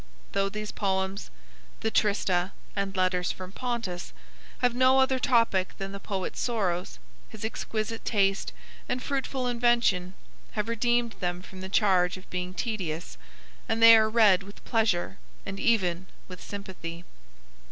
Though these poems (the "Trista" and "Letters from Pontus") have no other topic than the poet's sorrows, his exquisite taste and fruitful invention have redeemed them from the charge of being tedious, and they are read with pleasure and even with sympathy.